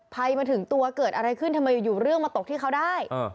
ภัยมาถึงตัวเกิดอะไรขึ้นทำไมอยู่เรื่องมาตกที่เขาได้